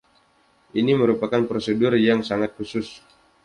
Ini merupakan prosedur yang sangat khusus.